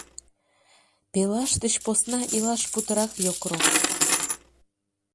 Пелаш деч посна илаш путырак йокрок.